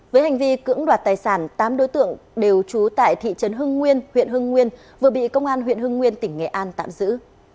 với hành vi cưỡng đoạt tài sản tám đối tượng đều trú tại thị trấn hưng nguyên huyện hưng nguyên vừa bị công an huyện hưng nguyên tỉnh nghệ an tạm giữ